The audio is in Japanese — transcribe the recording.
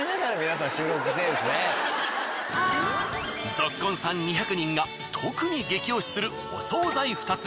ぞっこんさん２００人が特に激推しするお惣菜２つ。